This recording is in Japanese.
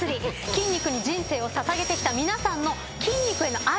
筋肉に人生を捧げてきた皆さんの筋肉への愛